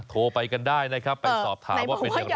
โทรไปกันได้นะครับไปสอบถามว่าเป็นอย่างไร